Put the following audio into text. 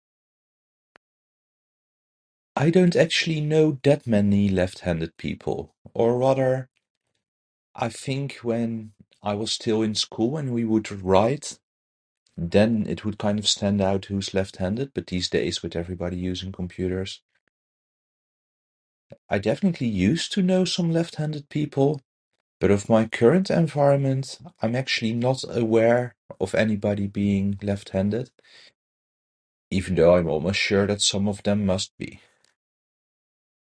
I don't actually know that many left-handed people. Or rather, I think when I was still in school when we would write, then it would kind of stand out who's left-handed, but these days with everybody using computers... I definitely used to know some left-handed people, but of my current environment I'm actually not aware of anybody being left-handed. Even though I'm almost sure that some of them must be.